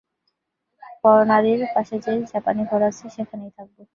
ফর্ণারির পাশে যে জাপানি ঘর আছে সেইখানে থাকব।